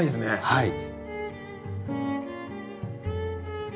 はい。